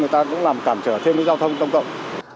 người ta cũng làm cản trở thêm giao thông công cộng